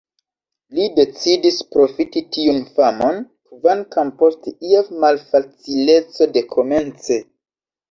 Li decidis profiti tiun famon, kvankam post ia malfacileco dekomence.